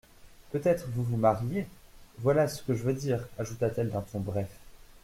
Peut-être vous vous mariez, voilà ce que je veux dire, ajouta-t-elle d'un ton bref.